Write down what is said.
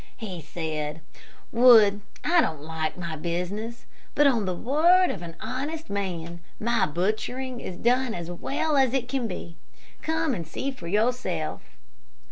"He said, 'Wood, I don't like my business, but on the word of an honest man, my butchering is done as well as it can be. Come and see for yourself.'